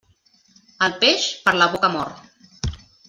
El peix, per la boca mor.